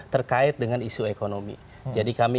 terkait dengan isu ekonomi jadi kami